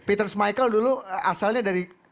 peter smicle dulu asalnya dari